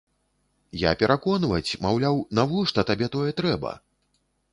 Я пераконваць, маўляў, навошта табе тое трэба?